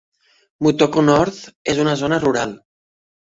Mutoko North és una zona rural.